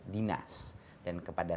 dinas dan kepada